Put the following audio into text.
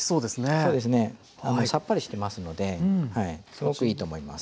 そうですねさっぱりしてますのですごくいいと思います。